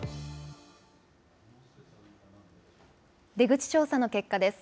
出口調査の結果です。